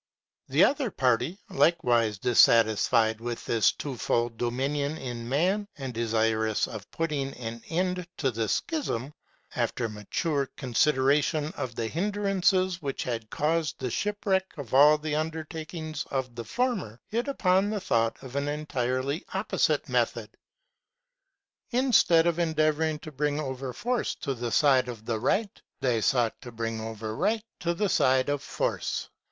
The other party, likewise dissatisfied with this twofold dominion in man, and desirous of putting an end to the schism, — after mature consideration of the hindrances which had caused the shipwreck of all the undertakings of the former, — hit upon the thought of an entirely opposite method. Instead of endeavouring to bring over force to the side of the right, they sought to bring over right to the side of force.